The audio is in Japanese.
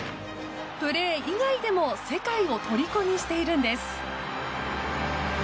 プレー以外でも世界をとりこにしているんです。